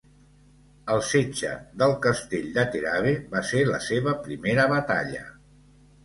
El setge del castell de Terabe va ser la seva primera batalla.